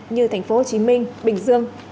như thành phố hồ chí minh bình dương